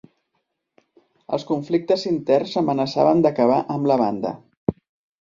Els conflictes interns amenaçaven d'acabar amb la banda.